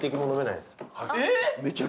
えっ！